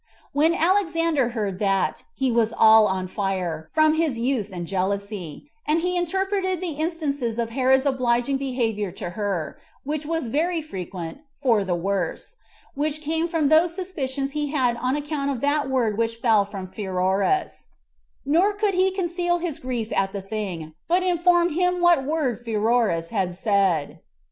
When Alexander heard that, he was all on fire, from his youth and jealousy; and he interpreted the instances of Herod's obliging behavior to her, which were very frequent, for the worse, which came from those suspicions he had on account of that word which fell from Pheroras; nor could he conceal his grief at the thing, but informed him what word Pheroras had said.